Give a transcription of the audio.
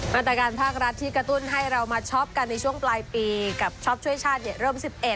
มาตรการภาครัฐที่กระตุ้นให้เรามาช็อปกันในช่วงปลายปีกับช็อปช่วยชาติเริ่ม๑๑